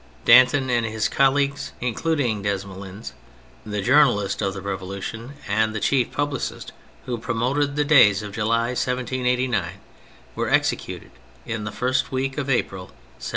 Danton and Ms colleagues — including Desmoulins, the journalist of the Revolution and the chief publicist who promoted the days of July 1789 — were executed in the first week of April 1794.